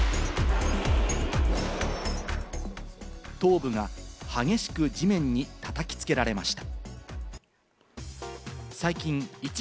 頭部が激しく地面に叩きつけられました。